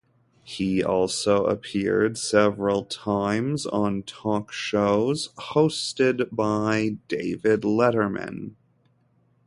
He also appeared several times on talk shows hosted by David Letterman.